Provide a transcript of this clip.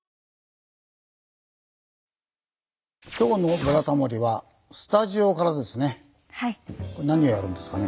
今日の「ブラタモリ」はスタジオからですね。